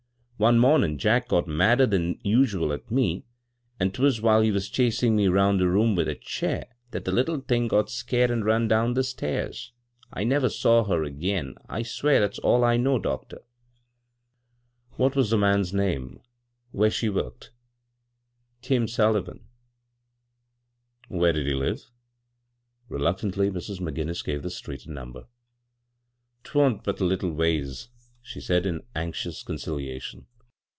One momin' Jack got madder than usual at me, an' 'twas while he was chasin' me 'round the room with a chair that the litde thing got scared an' run down the stairs. I never saw her again. I swear that's all 1 know, doctor." 184 b, Google CROSS CURRENTS " What was the man's name, where she worked ?"" Tim Sullivan." " Where did he live ?" Reluctantly Mrs. McGinnis gave the street and qumber. " 'Twa'n't but a little ways," she said in anxious conciliation.